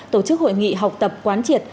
tổ chức hội nghị học tập quán triệt